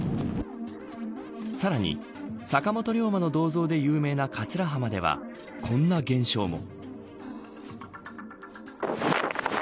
さらに、坂本龍馬の銅像で有名な桂浜ではこんな現象も。